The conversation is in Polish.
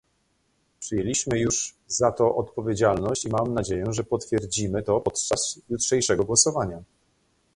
Przyjęliśmy już za to odpowiedzialność i mam nadzieję, że potwierdzimy to podczas jutrzejszego głosowania